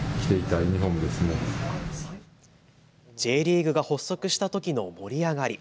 Ｊリーグが発足したときの盛り上がり。